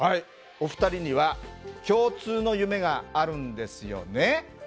お二人には共通の夢があるんですよね？